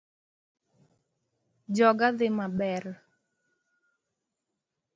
Joga dhi maber